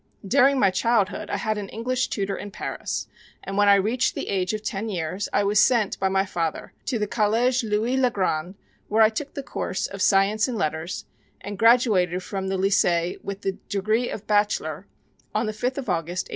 During my childhood I had an English tutor in Paris, and when I reached the age of ten years I was sent by my father to the College Louis le Grand where I took the course of Science and Letters and graduated from the Lycée with the degree of Bachelor on the 5th of August, 1877.